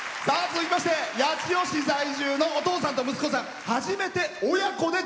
続きまして八千代在住のお父さんと息子さん。